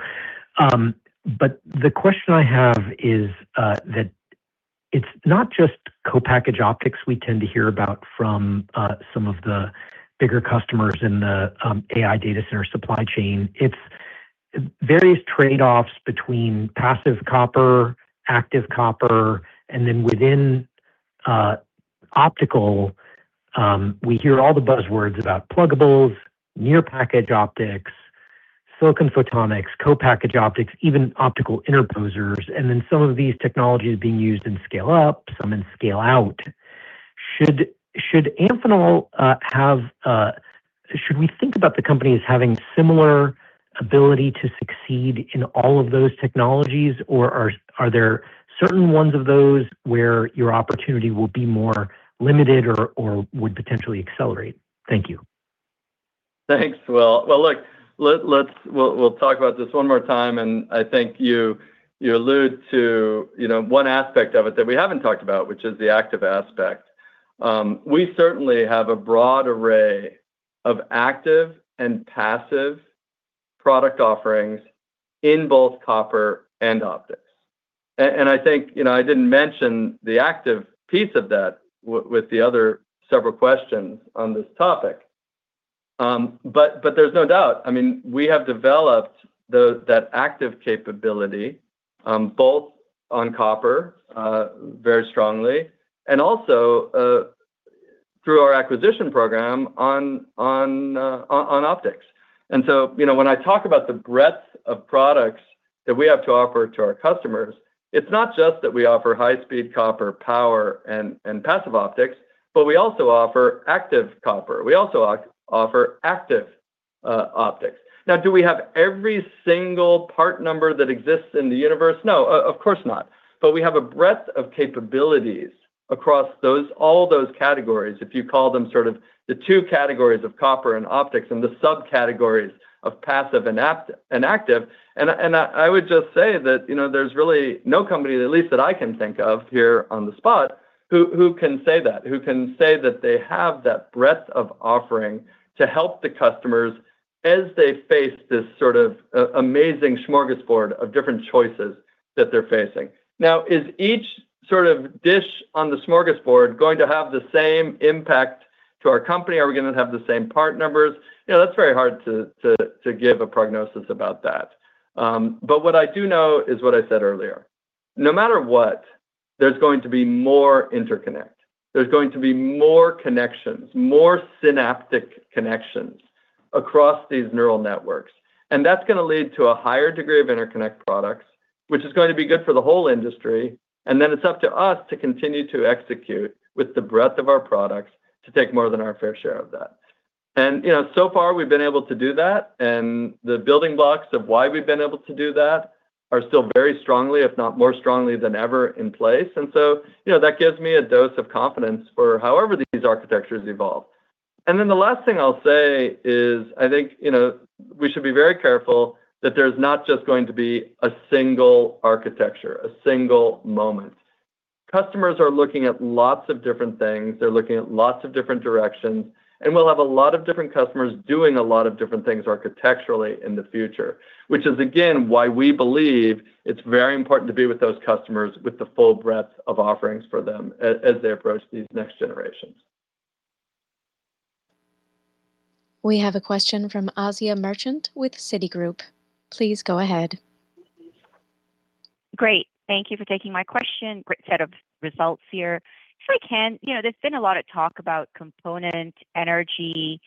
I: The question I have is that it's not just co-packaged optics we tend to hear about from some of the bigger customers in the AI data center supply chain. It's various trade-offs between passive copper, active copper, and then within optical, we hear all the buzzwords about pluggables, near package optics, silicon photonics, co-packaged optics, even optical interposers, and then some of these technologies being used in scale up, some in scale out. Should Amphenol have similar ability to succeed in all of those technologies? Are there certain ones of those where your opportunity will be more limited or would potentially accelerate? Thank you.
C: Thanks, Will. Well, look, let's, we'll talk about this one more time. I think you allude to, you know, one aspect of it that we haven't talked about, which is the active aspect. We certainly have a broad array of active and passive product offerings in both copper and optics. I think, you know, I didn't mention the active piece of that with the other several questions on this topic. There's no doubt. I mean, we have developed that active capability, both on copper, very strongly, and also through our acquisition program on optics. You know, when I talk about the breadth of products that we have to offer to our customers, it's not just that we offer high speed copper power and passive optics, but we also offer active copper. We also offer active optics. Do we have every single part number that exists in the universe? No, of course not. We have a breadth of capabilities across those, all those categories, if you call them sort of the two categories of copper and optics, and the subcategories of passive and active. I would just say that, you know, there's really no company, at least that I can think of here on the spot, who can say that they have that breadth of offering to help the customers as they face this sort of amazing smorgasbord of different choices that they're facing. Now, is each sort of dish on the smorgasbord going to have the same impact to our company? Are we gonna have the same part numbers? You know, that's very hard to give a prognosis about that. What I do know is what I said earlier. No matter what, there's going to be more interconnect. There's going to be more connections, more synaptic connections across these neural networks, and that's gonna lead to a higher degree of interconnect products, which is going to be good for the whole industry, and then it's up to us to continue to execute with the breadth of our products to take more than our fair share of that. You know, so far we've been able to do that, and the building blocks of why we've been able to do that are still very strongly, if not more strongly than ever, in place. So, you know, that gives me a dose of confidence for however these architectures evolve. Then the last thing I'll say is, I think, you know, we should be very careful that there's not just going to be a single architecture, a single moment. Customers are looking at lots of different things. They're looking at lots of different directions, and we'll have a lot of different customers doing a lot of different things architecturally in the future. Which is again why we believe it's very important to be with those customers with the full breadth of offerings for them as they approach these next generations.
A: We have a question from Asiya Merchant with Citigroup. Please go ahead.
J: Great. Thank you for taking my question. Great set of results here. If I can, you know, there's been a lot of talk about component and energy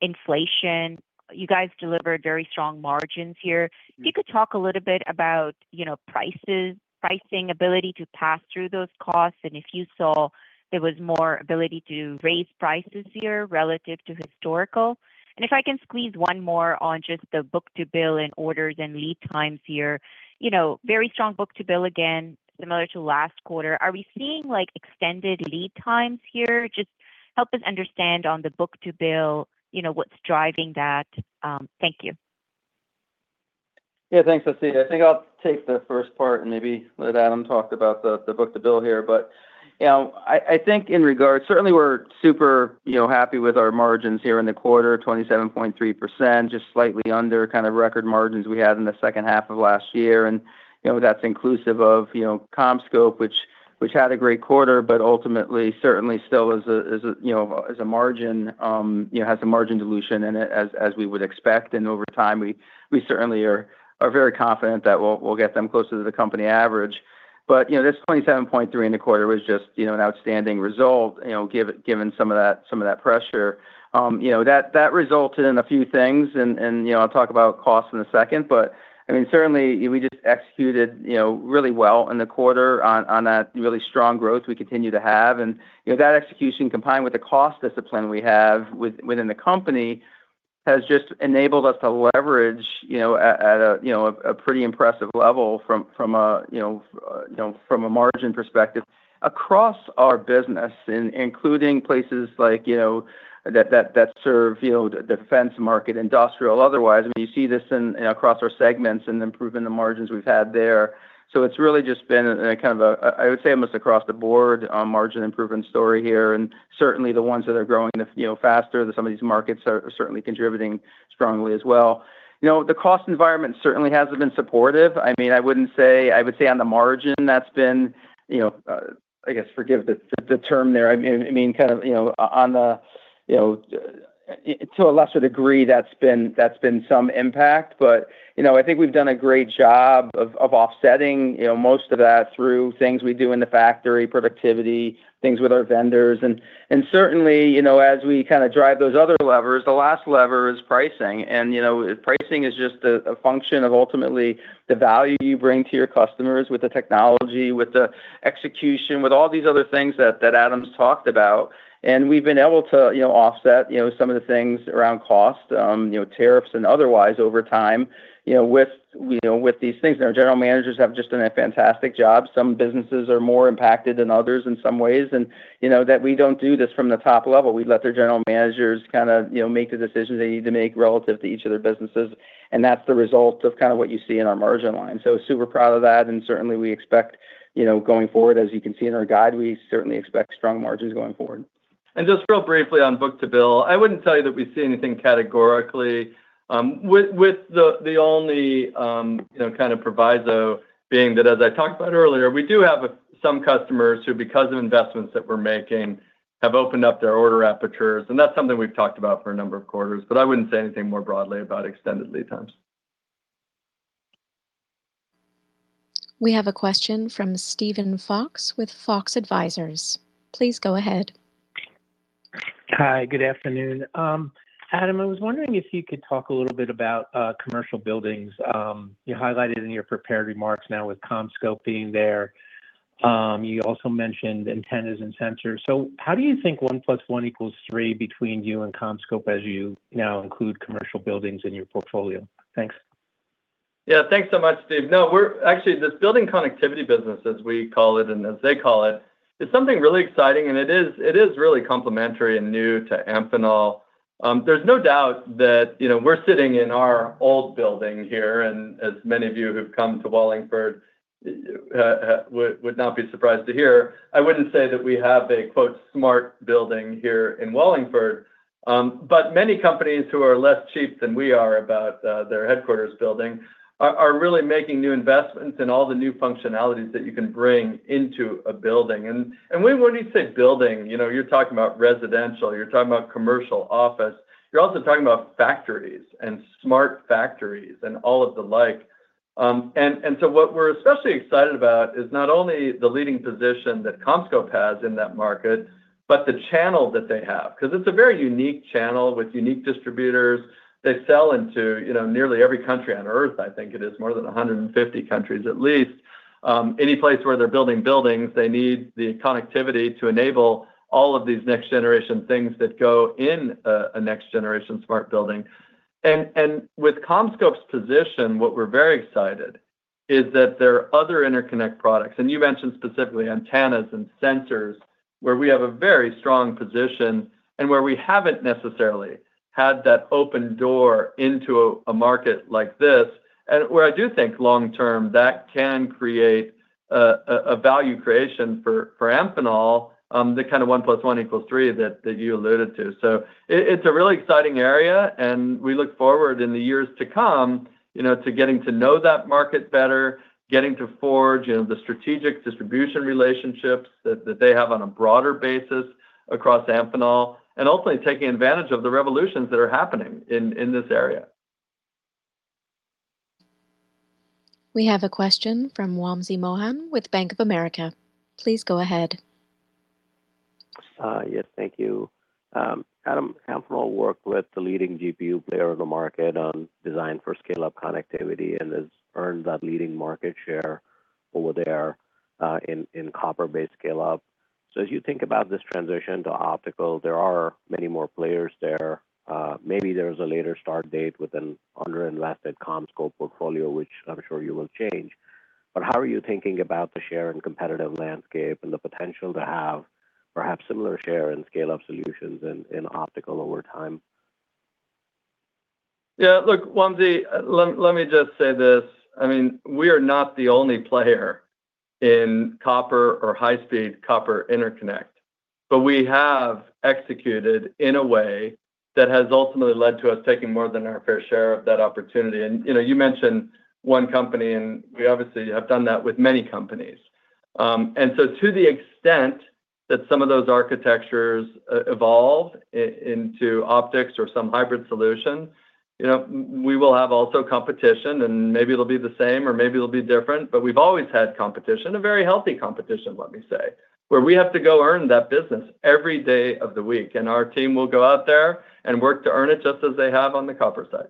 J: inflation. You guys delivered very strong margins here. If you could talk a little bit about, you know, prices, pricing ability to pass through those costs, and if you saw there was more ability to raise prices here relative to historical. If I can squeeze one more on just the book-to-bill and orders and lead times here. You know, very strong book-to-bill again, similar to last quarter. Are we seeing, like, extended lead times here? Just help us understand on the book-to-bill, you know, what's driving that. Thank you.
B: Thanks, Asiya. I think I'll take the first part and maybe let Adam talk about the book-to-bill here. You know, I think in regards, certainly we're super, you know, happy with our margins here in the quarter, 27.3%, just slightly under kind of record margins we had in the second half of last year. You know, that's inclusive of, you know, CommScope, which had a great quarter, but ultimately certainly still is a, you know, is a margin, you know, has a margin dilution in it as we would expect. Over time, we certainly are very confident that we'll get them closer to the company average. You know, this 27.3% in the quarter was just, you know, an outstanding result, you know, given some of that, some of that pressure. You know, that resulted in a few things and, you know, I'll talk about cost in a second. I mean, certainly we just executed, you know, really well in the quarter on that really strong growth we continue to have. You know, that execution combined with the cost discipline we have within the company has just enabled us to leverage, you know, at a, you know, a pretty impressive level from a, you know, from a margin perspective across our business, including places like, you know, that serve, you know, defense, market, industrial, otherwise. I mean, you see this in, you know, across our segments and improvement in the margins we've had there. It's really just been a kind of a, I would say almost across the board, margin improvement story here, and certainly the ones that are growing the, you know, faster, that some of these markets are certainly contributing strongly as well. You know, the cost environment certainly hasn't been supportive. I mean, I would say on the margin that's been, you know, I guess forgive the term there. I mean, kind of, you know, on the, you know, to a lesser degree that's been some impact. You know, I think we've done a great job of offsetting, you know, most of that through things we do in the factory, productivity, things with our vendors. Certainly, you know, as we kind of drive those other levers, the last lever is pricing. You know, pricing is just a function of ultimately the value you bring to your customers with the technology, with the execution, with all these other things that Adam's talked about. We've been able to, you know, offset, you know, some of the things around cost, you know, tariffs and otherwise over time, you know, with, you know, with these things. Our general managers have just done a fantastic job. Some businesses are more impacted than others in some ways. You know, that we don't do this from the top level. We let the general managers kind of, you know, make the decisions they need to make relative to each of their businesses, and that's the result of kind of what you see in our margin line. Super proud of that, and certainly we expect, you know, going forward, as you can see in our guide, we certainly expect strong margins going forward.
C: Just real briefly on book-to-bill, I wouldn't tell you that we see anything categorically. With the only, you know, kind of proviso being that, as I talked about earlier, we do have some customers who, because of investments that we're making, have opened up their order apertures, and that's something we've talked about for a number of quarters. I wouldn't say anything more broadly about extended lead times.
A: We have a question from Steven Fox with Fox Advisors. Please go ahead.
K: Hi, good afternoon. Adam, I was wondering if you could talk a little bit about commercial buildings. You highlighted in your prepared remarks now with CommScope being there. You also mentioned antennas and sensors. How do you think one plus one equals three between you and CommScope as you now include commercial buildings in your portfolio? Thanks.
C: Thanks so much, Steve. Actually, this building connectivity business, as we call it and as they call it, is something really exciting, and it is really complementary and new to Amphenol. There's no doubt that, you know, we're sitting in our old building here, and as many of you who've come to Wallingford would now be surprised to hear, I wouldn't say that we have a quote, "smart building" here in Wallingford. Many companies who are less cheap than we are about their headquarters building are really making new investments in all the new functionalities that you can bring into a building. When you say building, you know, you're talking about residential, you're talking about commercial office. You're also talking about factories and smart factories and all of the like. What we're especially excited about is not only the leading position that CommScope has in that market, but the channel that they have, 'cause it's a very unique channel with unique distributors. They sell into, you know, nearly every country on Earth, I think it is, more than 150 countries at least. Any place where they're building buildings, they need the connectivity to enable all of these next-generation things that go in a next-generation smart building. With CommScope's position, what we're very excited is that there are other interconnect products, and you mentioned specifically antennas and sensors, where we have a very strong position and where we haven't necessarily had that open door into a market like this. Where I do think long-term that can create a value creation for Amphenol, the kind of 1 + 1 equals 3 that you alluded to. It's a really exciting area, and we look forward in the years to come, you know, to getting to know that market better, getting to forge, you know, the strategic distribution relationships that they have on a broader basis across Amphenol, and ultimately taking advantage of the revolutions that are happening in this area.
A: We have a question from Wamsi Mohan with Bank of America. Please go ahead.
L: Yes, thank you. Adam, Amphenol worked with the leading GPU player in the market on design for scale-up connectivity and has earned that leading market share over their in copper-based scale-up. As you think about this transition to optical, there are many more players there. Maybe there's a later start date with an under-invested CommScope portfolio, which I'm sure you will change. How are you thinking about the share and competitive landscape and the potential to have perhaps similar share and scale-up solutions in optical over time?
C: Yeah. Look, Wamsi, let me just say this. I mean, we are not the only player in copper or high-speed copper interconnect, but we have executed in a way that has ultimately led to us taking more than our fair share of that opportunity. You know, you mentioned one company, and we obviously have done that with many companies. To the extent that some of those architectures evolve into optics or some hybrid solution, you know, we will have also competition, and maybe it will be the same or maybe it will be different. We've always had competition, a very healthy competition, let me say, where we have to go earn that business every day of the week, and our team will go out there and work to earn it just as they have on the copper side.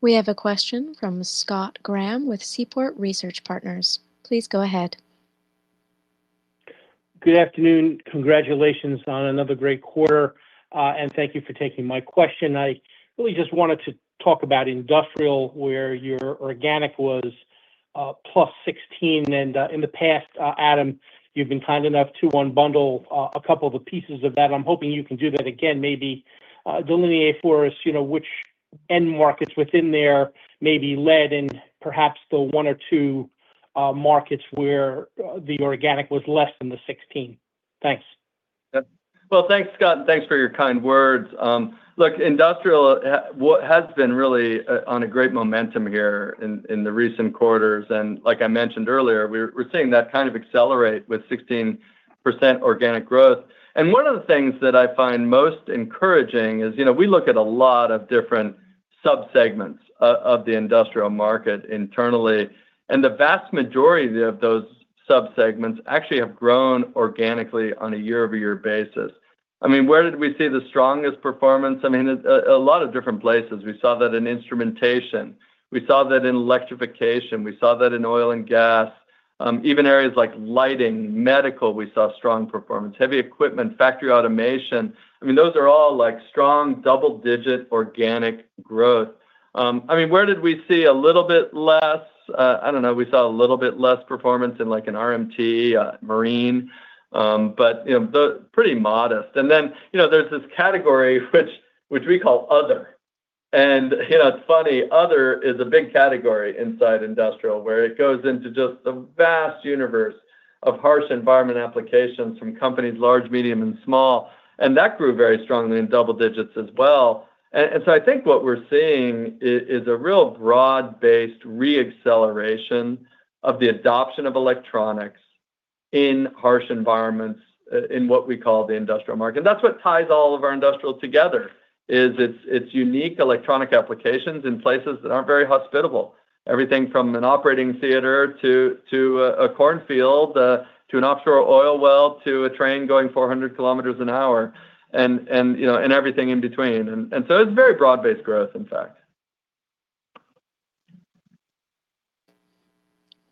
A: We have a question from Scott Graham with Seaport Research Partners. Please go ahead.
M: Good afternoon. Congratulations on another great quarter, and thank you for taking my question. I really just wanted to talk about industrial, where your organic was +16%. In the past, Adam, you've been kind enough to unbundle a couple of the pieces of that. I'm hoping you can do that again. Maybe delineate for us, you know, which end markets within there maybe led in perhaps the 1 or 2 markets where the organic was less than the 16%. Thanks.
C: Yeah. Well, thanks, Scott, and thanks for your kind words. Look, industrial has been really on a great momentum here in the recent quarters. Like I mentioned earlier, we're seeing that kind of accelerate with 16% organic growth. One of the things that I find most encouraging is, you know, we look at a lot of different subsegments of the industrial market internally, and the vast majority of those subsegments actually have grown organically on a year-over-year basis. I mean, where did we see the strongest performance? I mean, a lot of different places. We saw that in instrumentation, we saw that in electrification, we saw that in oil and gas. Even areas like lighting, medical, we saw strong performance. Heavy equipment, factory automation. I mean, those are all, like, strong double-digit organic growth. I mean, where did we see a little bit less? I don't know, we saw a little bit less performance in, like, an RMT, a marine. You know, pretty modest. You know, there's this category which we call other. You know, it's funny, other is a big category inside industrial where it goes into just the vast universe of harsh environment applications from companies large, medium, and small, and that grew very strongly in double digits as well. I think what we're seeing is a real broad-based re-acceleration of the adoption of electronics in harsh environments in what we call the industrial market. That's what ties all of our industrial together, is it's unique electronic applications in places that aren't very hospitable. Everything from an operating theater to a corn field, to an offshore oil well, to a train going 400 km an hour, you know, everything in between. It's very broad-based growth, in fact.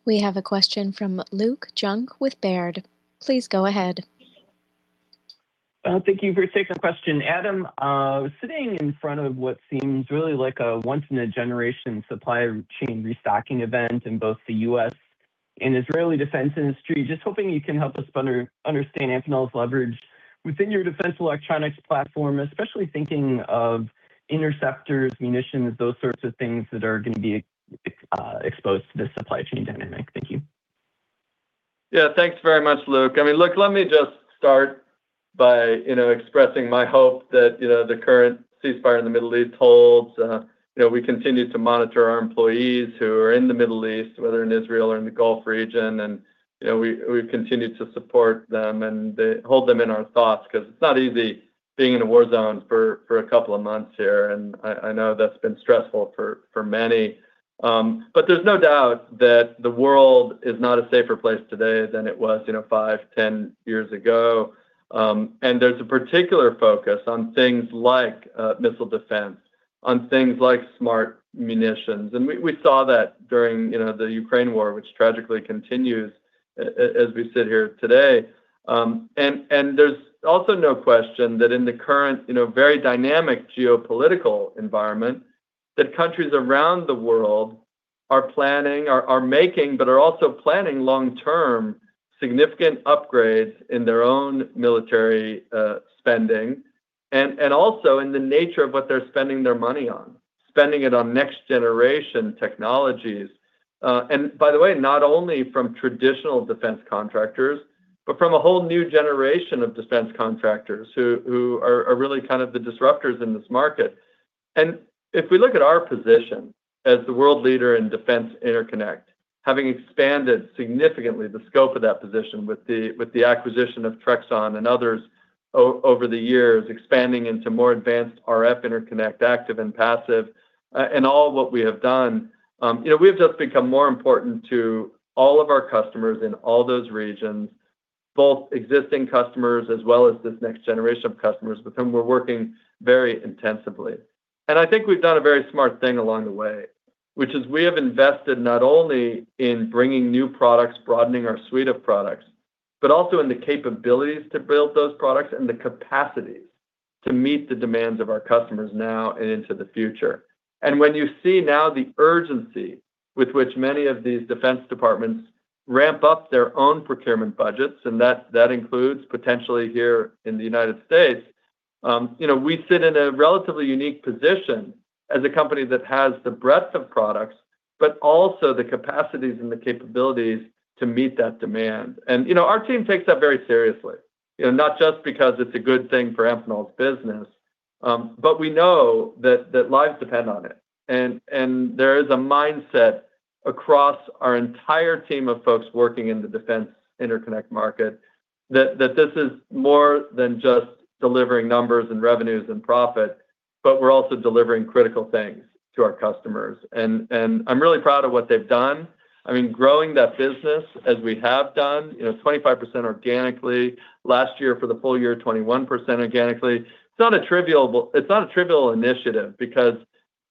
A: We have a question from Luke Junk with Baird. Please go ahead.
N: Thank you for taking the question. Adam, sitting in front of what seems really like a once in a generation supply chain restocking event in both the U.S. and Israeli defense industry, just hoping you can help us understand Amphenol's leverage within your defense electronics platform, especially thinking of interceptors, munitions, those sorts of things that are gonna be exposed to this supply chain dynamic. Thank you.
C: Yeah. Thanks very much, Luke. I mean, let me just start by, you know, expressing my hope that, you know, the current ceasefire in the Middle East holds. You know, we continue to monitor our employees who are in the Middle East, whether in Israel or in the Gulf region, and, you know, we've continued to support them and hold them in our thoughts, 'cause it's not easy being in a war zone for a couple of months here, and I know that's been stressful for many. There's no doubt that the world is not a safer place today than it was, you know, 5 years, 10 years ago. There's a particular focus on things like missile defense, on things like smart munitions. We saw that during, you know, the Ukraine War, which tragically continues as we sit here today. There's also no question that in the current, you know, very dynamic geopolitical environment, that countries around the world are planning long-term significant upgrades in their own military spending and also in the nature of what they're spending their money on, spending it on next-generation technologies. By the way, not only from traditional defense contractors, but from a whole new generation of defense contractors who are really kind of the disruptors in this market. If we look at our position as the world leader in defense interconnect, having expanded significantly the scope of that position with the acquisition of Trexon and others over the years, expanding into more advanced RF interconnect, active and passive, and all of what we have done, you know, we have just become more important to all of our customers in all those regions, both existing customers as well as this next generation of customers with whom we're working very intensively. I think we've done a very smart thing along the way, which is we have invested not only in bringing new products, broadening our suite of products, but also in the capabilities to build those products and the capacities to meet the demands of our customers now and into the future. When you see now the urgency with which many of these defense departments ramp up their own procurement budgets, and that includes potentially here in the U.S., you know, we sit in a relatively unique position as a company that has the breadth of products, but also the capacities and the capabilities to meet that demand. You know, our team takes that very seriously. You know, not just because it's a good thing for Amphenol's business, but we know that lives depend on it. There is a mindset across our entire team of folks working in the defense interconnect market that this is more than just delivering numbers and revenues and profit, but we're also delivering critical things to our customers. I'm really proud of what they've done. I mean, growing that business as we have done, you know, 25% organically, last year for the full year, 21% organically. It's not a trivial initiative because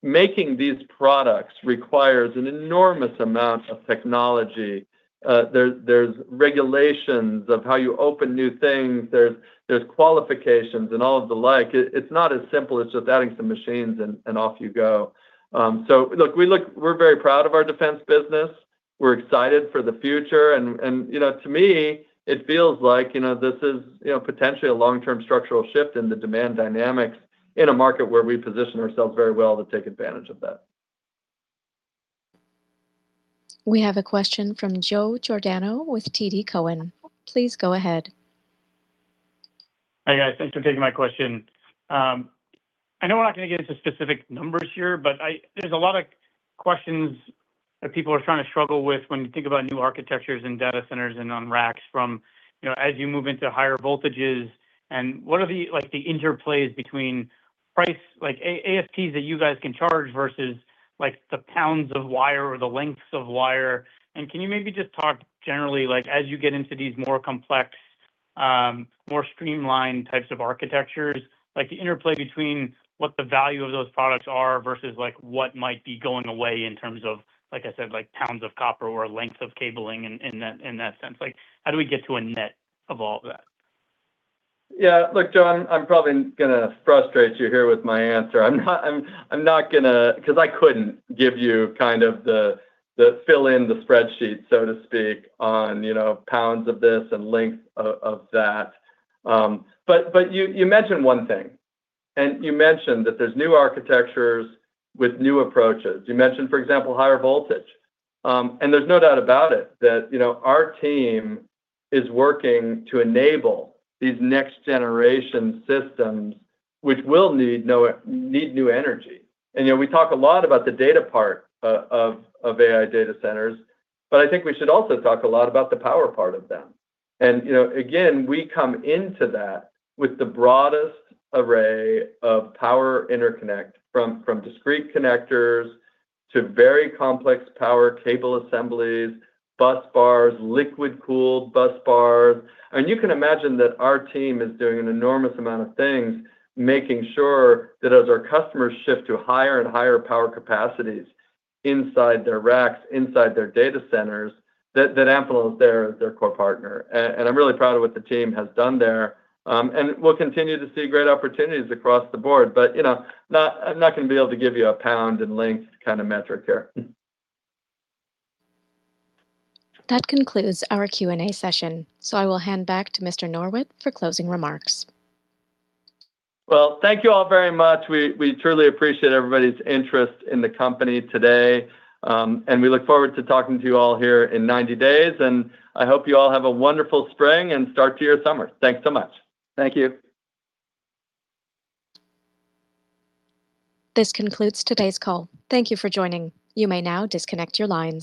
C: making these products requires an enormous amount of technology. There's regulations of how you open new things. There's qualifications and all of the like. It's not as simple as just adding some machines and off you go. Look, we're very proud of our defense business. We're excited for the future and, you know, to me, it feels like, you know, this is, you know, potentially a long-term structural shift in the demand dynamics in a market where we position ourselves very well to take advantage of that.
A: We have a question from Joe Giordano with TD Cowen. Please go ahead.
O: Hi, guys. Thanks for taking my question. I know we're not going to get into specific numbers here, but I know there's a lot of questions that people are trying to struggle with when you think about new architectures in data centers and on racks from, you know, as you move into higher voltages and what are the, like, the interplays between price, like, ASPs that you guys can charge versus, like, the pounds of wire or the lengths of wire. Can you maybe just talk generally, like, as you get into these more complex, more streamlined types of architectures, like, the interplay between what the value of those products are versus, like, what might be going away in terms of, like I said, like, pounds of copper or length of cabling in that sense? Like, how do we get to a net of all of that?
C: Yeah, look, Joe, I'm probably gonna frustrate you here with my answer. I'm not gonna. 'Cause I couldn't give you kind of the fill in the spreadsheet, so to speak, on, you know, pounds of this and length of that. You mentioned one thing, you mentioned that there's new architectures with new approaches. You mentioned, for example, higher voltage. There's no doubt about it that, you know, our team is working to enable these next generation systems, which will need new energy. You know, we talk a lot about the data part of AI data centers, but I think we should also talk a lot about the power part of them. You know, again, we come into that with the broadest array of power interconnect from discrete connectors to very complex power cable assemblies, bus bars, liquid-cooled bus bars. You can imagine that our team is doing an enormous amount of things, making sure that as our customers shift to higher and higher power capacities inside their racks, inside their data centers, that Amphenol is their core partner. I'm really proud of what the team has done there. We'll continue to see great opportunities across the board, but you know, I'm not gonna be able to give you a pound and length kind of metric here.
A: That concludes our Q&A session, so I will hand back to Mr. Norwitt for closing remarks.
C: Well, thank you all very much. We truly appreciate everybody's interest in the company today. We look forward to talking to you all here in 90 days, and I hope you all have a wonderful spring and start to your summer. Thanks so much.
B: Thank you.
A: This concludes today's call. Thank you for joining. You may now disconnect your lines.